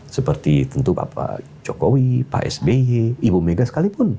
seperti tentu bapak jokowi pak sby ibu mega sekalipun